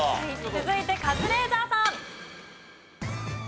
続いてカズレーザーさん。